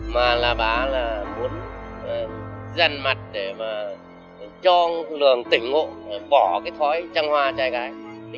mà bà muốn dành mặt để cho lường tỉnh ngộ bỏ thói trăng hoa trai gái